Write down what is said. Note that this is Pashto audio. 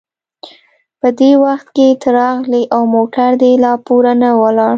په دې وخت کې ته راغلې او موټر دې لا پوره نه و ولاړ.